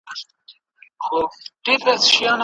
یو څه په ځان د سړیتوب جامه کو